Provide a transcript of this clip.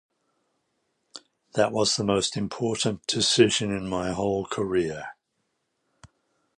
That was the most important decision in my whole career.